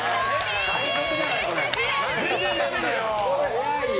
早いよ。